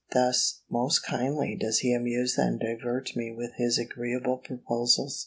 Thus most kindly does he amuse and divert me with his agreeable proposals.